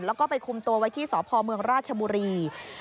แล้วก็ไปคุมตัวไว้ที่สพเมืองราชบุรี